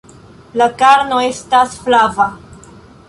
La karno estas flava.